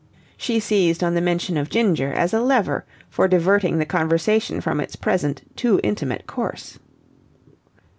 She seized on the mention of Ginger as a lever for diverting the conversation from its present too intimate course.